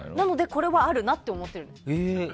これはあるなと思ってるんです。